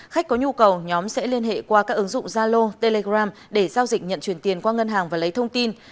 khách có nhu cầu nhóm sẽ liên hệ qua các ứng dụng zalo telegram để giao dịch nhận truyền tiền qua ngân hàng và lấy thông tin